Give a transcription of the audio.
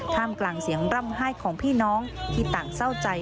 กลางเสียงร่ำไห้ของพี่น้องที่ต่างเศร้าใจ